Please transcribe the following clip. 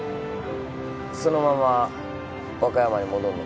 そのまま和歌山に戻んの？